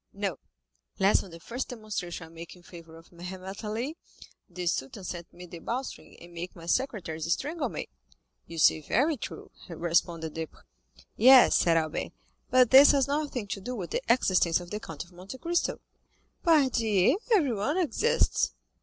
"No, lest on the first demonstration I make in favor of Mehemet Ali, the Sultan send me the bowstring, and make my secretaries strangle me." "You say very true," responded Debray. "Yes," said Albert, "but this has nothing to do with the existence of the Count of Monte Cristo." "Pardieu! everyone exists."